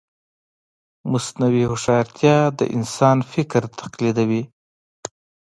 مصنوعي هوښیارتیا د انسان فکر تقلیدوي.